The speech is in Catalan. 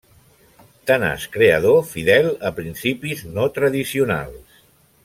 Tenaç creador fidel a principis no tradicionals.